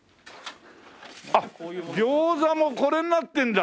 あっ餃子もこれになってるんだ。